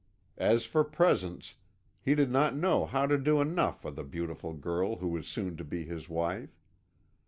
As for presents, he did not know how to do enough for the beautiful girl who was soon to be his wife.